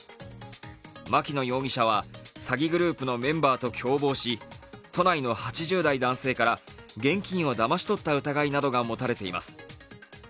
牧野容疑者は詐欺グループのメンバーと共謀し、都内の８０代男性から現金をだまし取った疑いなどが持たれています。